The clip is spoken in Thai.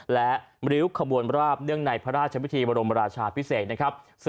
และริวขบวนราบเนื่องในพระราชดำเนินพระราชพิเศษ